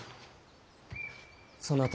そなた